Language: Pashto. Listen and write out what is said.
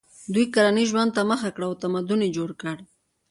دوی کرنیز ژوند ته مخه کړه او تمدن یې جوړ کړ.